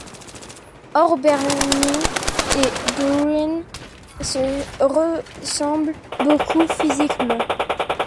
Or Bernie et Gruen se ressemblent beaucoup physiquement.